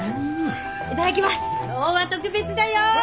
今日は特別だよ！